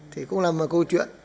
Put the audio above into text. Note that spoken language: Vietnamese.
thì cũng là một câu chuyện